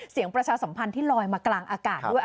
ประชาสัมพันธ์ที่ลอยมากลางอากาศด้วย